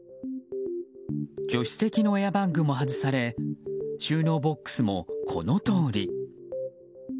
助手席のエアバッグも外され収納ボックスも、このとおり。